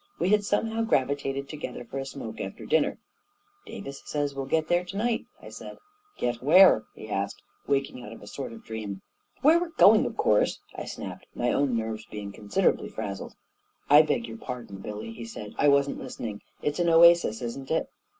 We had somehow gravitated together for a smoke after dinner. " Davis says we'll get there to night," I said. " Get where ?" he asked, waking out of a sort of dream. "Where we're going, of course!" I snapped, my own nerves being considerably frazzled. " I beg your pardon, Billy," he said. " I wasn't listening. It's an oasis, isn't it?